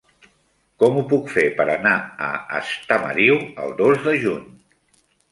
Com ho puc fer per anar a Estamariu el dos de juny?